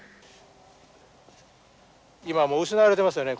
今もう失われてますよね